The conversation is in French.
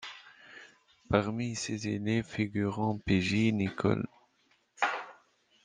Parmi ses élèves figurent Pegi Nicol MacLeod, Henri Masson et Robert Tait McKenzie.